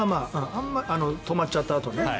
止まっちゃったあとね。